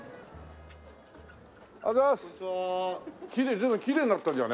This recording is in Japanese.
随分きれいになったんじゃね？